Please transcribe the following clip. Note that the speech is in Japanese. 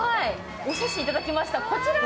お写真いただきました。